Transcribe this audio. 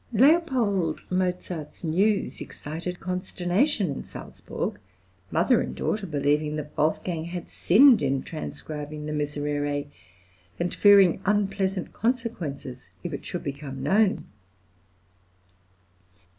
L. Mozart's news excited consternation in Salzburg, mother and daughter believing that Wolfgang had sinned in transcribing the Miserere, and fearing unpleasant consequences if it should become known.